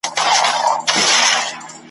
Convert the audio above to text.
ویل ژر مي وېښتان جوړ که زما تلوار دی !.